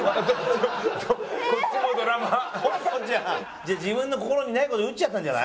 じゃあ自分の心にない事打っちゃったんじゃない？